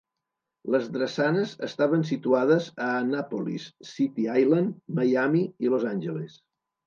Les drassanes estaven situades a Annapolis, City Island, Miami i Los Angeles.